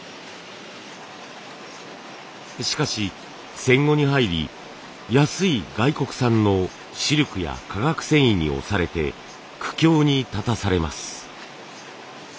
しかし戦後に入り安い外国産のシルクや化学繊維に押されて苦境に立たされます。